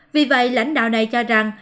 vì vậy lãnh đạo này cho rằng